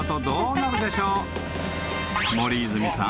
［森泉さん。